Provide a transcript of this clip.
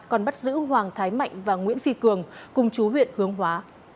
cơ quan bắt giữ hoàng thái mạnh và nguyễn phi cường cùng chú huyện hương hóa